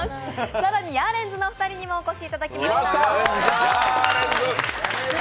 更にヤーレンズのお二人にもお越しいただきました。